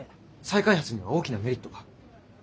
再開発には大きなメリットが。